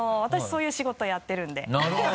そういう仕事やってるんで。